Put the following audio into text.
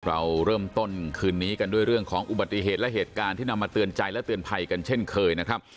เราเริ่มต้นคืนนี้กันด้วยเรื่องของอุบัติเหตุและเหตุการณ์ที่นำมาเตือนใจและเตือนภัยกันเช่นเคยนะครับ